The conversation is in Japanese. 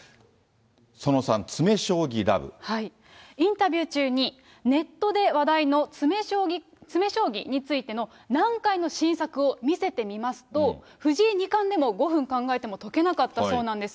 その３、インタビュー中に、ネットで話題の詰め将棋についての難解の新作を見せてみますと、藤井二冠でも５分考えても解けなかったそうなんです。